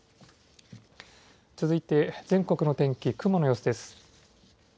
続いて全国の天気、雲の様子です。